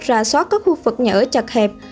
ra soát các khu vực nhở chặt hẹp